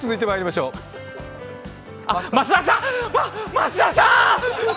ま、増田さん！